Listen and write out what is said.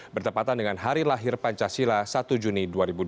bertepatan dengan hari lahir pancasila satu juni dua ribu dua puluh